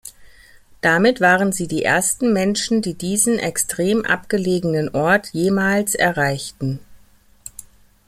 Damit waren sie die ersten Menschen, die diesen extrem abgelegenen Ort jemals erreichten.